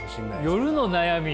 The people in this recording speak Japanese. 夜の悩み！？